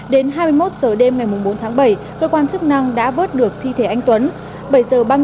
đến hai mươi một giờ đêm ngày bốn tháng bảy cơ quan chức năng đã vớt được thi thể anh tuấn